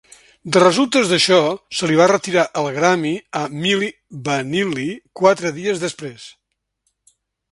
De resultes d'això, se li va retirar el grammy a Milli Vanilli quatre dies després.